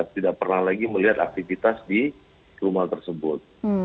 tidak pernah lagi melihat aktivitas di rumah tersebut